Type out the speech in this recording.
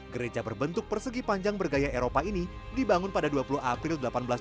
gereja berbentuk persegi panjang bergaya eropa ini dibangun pada dua puluh april seribu delapan ratus empat puluh